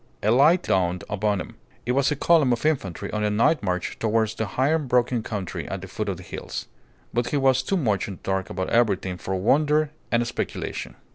A light dawned upon him. It was a column of infantry on a night march towards the higher broken country at the foot of the hills. But he was too much in the dark about everything for wonder and speculation.